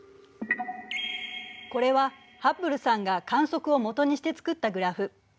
これはハッブルさんが観測を基にして作ったグラフ。